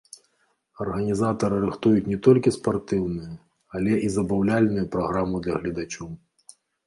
Арганізатары рыхтуюць не толькі спартыўную, але і забаўляльную праграму для гледачоў.